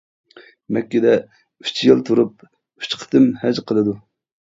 مەككىدە ئۈچ يىل تۇرۇپ، ئۈچ قېتىم ھەج قىلىدۇ.